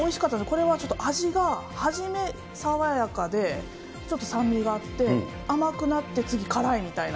これはちょっと味が初め爽やかで、ちょっと酸味があって、甘くなって次、辛いみたいな。